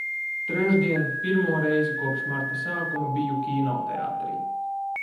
Trešdien pirmo reizi kopš marta sākuma biju kinoteātrī.